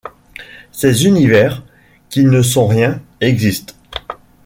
Ces univers, qui ne sont rien, existent.